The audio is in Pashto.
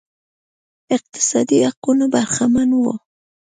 اقتصادي حقونو برخمن وو